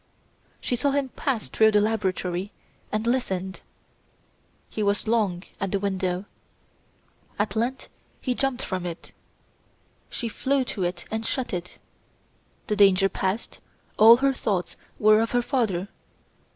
"She saw him pass through the laboratory, and listened. He was long at the window. At length he jumped from it. She flew to it and shut it. The danger past, all her thoughts were of her father.